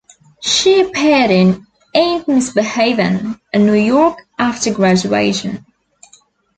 She appeared in "Ain't Misbehavin" in New York after graduation.